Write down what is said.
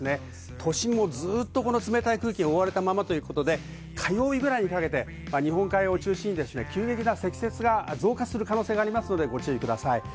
都心もずっと冷たい空気に覆われたまま、火曜日ぐらいにかけて日本海側を中心に急激な積雪が増加する可能性がありますので、ご注意ください。